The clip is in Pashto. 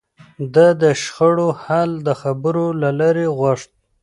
ده د شخړو حل د خبرو له لارې غوښت.